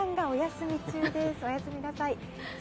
おやすみなさい。